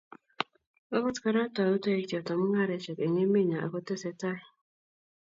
Akot kora, tou toek choto mungaresiek eng emenyo akotesetai